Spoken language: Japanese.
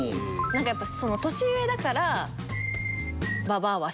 なんかやっぱその年上だから。